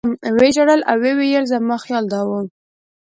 و یې ژړل او ویې ویل زما خیال دا و.